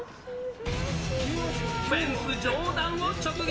フェンス上段を直撃。